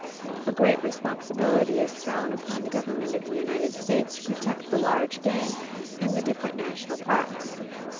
A great responsibility is thrown upon the Government of the United States to protect the large game in the different national parks.